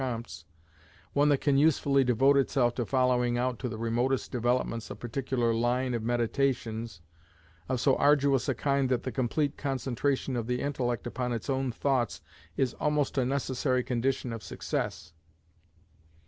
Comte's one that can usefully devote itself to following out to the remotest developments a particular line of meditations, of so arduous a kind that the complete concentration of the intellect upon its own thoughts is almost a necessary condition of success.